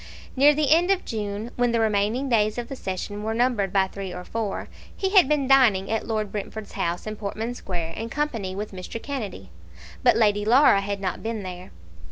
Near the end of June, when the remaining days of the session were numbered by three or four, he had been dining at Lord Brentford's house in Portman Square in company with Mr. Kennedy. But Lady Laura had not been there.